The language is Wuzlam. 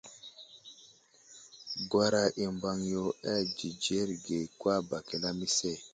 Gwara i Mbaŋ yo a dzidzerge kwa bak i lamise.